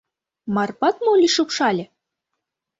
Марпат моли шупшале?